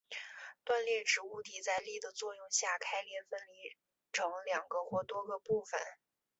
断裂指物体在力的作用下开裂分离成两个或多个部分。